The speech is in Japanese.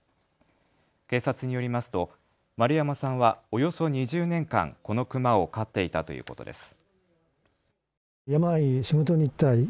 警察によりますと丸山さんはおよそ２０年間、このクマを飼っていたということです。